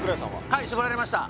はい絞られました